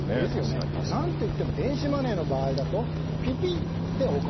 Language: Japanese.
何といっても電子マネーの場合だとピピッでお金。